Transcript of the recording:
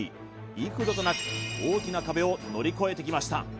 幾度となく大きな壁を乗り越えてきました